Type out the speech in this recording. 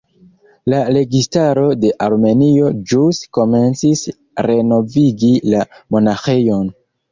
La registaro de Armenio ĵus komencis renovigi la monaĥejon.